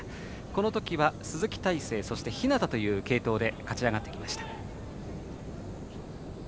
このときは鈴木泰成、日當という継投で勝ち上がってきました。